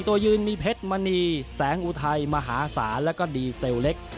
ตัวยืนมีเพชรมณีแสงอุทัยมหาศาลแล้วก็ดีเซลเล็ก